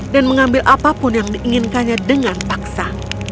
dan mengambil apapun yang diinginkannya dengan paksa